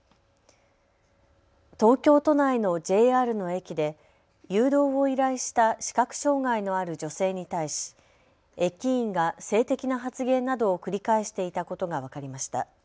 東京都内のＪＲの駅で誘導を依頼した視覚障害のある女性に対し駅員が性的な発言などを繰り返していたことが分かりました。